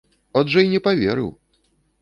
От жа і не паверыў.